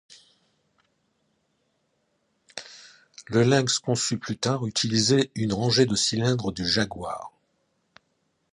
Le Lynx conçu plus tard utilisait une rangée de cylindres du Jaguar.